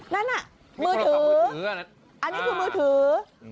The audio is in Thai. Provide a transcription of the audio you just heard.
นั่นน่ะมือถืออันนี้คือมือถือ